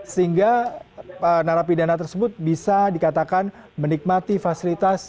sehingga narapidana tersebut bisa dikatakan menikmati fasilitas